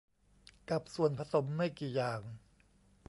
กับส่วนผสมไม่กี่อย่าง